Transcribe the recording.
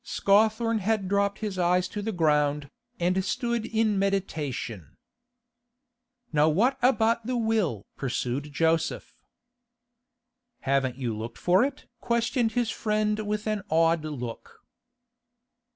Scawthorne had dropped his eyes to the ground, and stood in meditation. 'Now what about the will?' pursued Joseph. 'You haven't looked for it?' questioned his friend with an odd look.